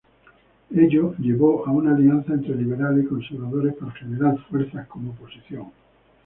Ello llevó a una alianza entre liberales y conservadores para ganar fuerzas como oposición.